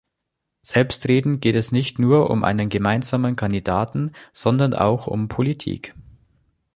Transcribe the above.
Selbstredend geht es nicht nur um einen gemeinsamen Kandidaten, sondern auch um Politik.